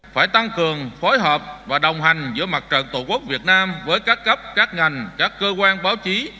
phải tăng cường phối hợp và đồng hành giữa mặt trận tổ quốc việt nam với các cấp các ngành các cơ quan báo chí